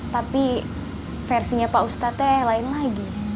tapi versinya pak ustadznya lain lagi